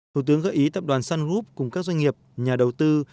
thủ tướng gợi ý tập đoàn sun group cùng các doanh nghiệp nhà đầu tư